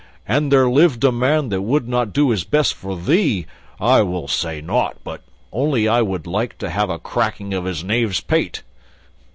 An there lived a man that would not do his best for thee I will say nought, only I would like to have the cracking of his knave's pate!